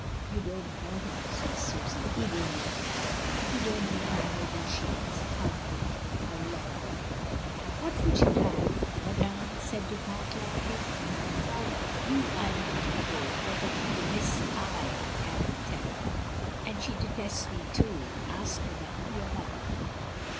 You don't know her," said Susy eagerly; you don't know how noble she is, how good, how lovable." 78 MRS. DYMOND. "What would you have, madame?" said Du Pare laughing. "Of you I am not afraid, but of the Miss I am in terror, and she detests me toa Ask madame your mother.''